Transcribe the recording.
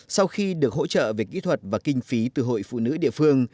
sau khi được hỗ trợ về kỹ thuật và kinh phí từ hội phụ nữ địa phương